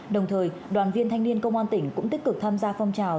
đồng thời đoàn viên thanh niên công an tỉnh cũng tích cực tham gia phong trào